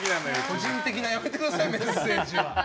個人的な、やめてくださいメッセージは。